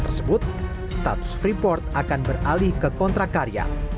pada saat perundingan tersebut status freeport akan beralih ke kontrak karya